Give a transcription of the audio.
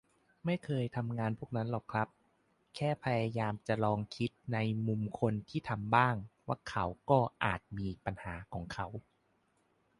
ไม่เคยทำงานพวกนั้นหรอกครับ แค่พยายามจะลองคิดในมุมคนที่ทำบ้าง ว่าเขาก็อาจมี 'ปัญหา' ของเขา